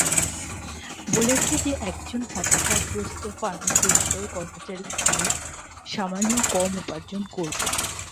বলেছে যে, একজন হতাশাগ্রস্ত ফার্মাসিউটিক্যাল কর্মচারীর চেয়ে সামান্য কম উপার্জন করবো।